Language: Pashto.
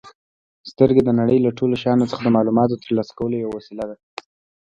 سترګې د نړۍ له ټولو شیانو څخه د معلوماتو ترلاسه کولو یوه وسیله ده.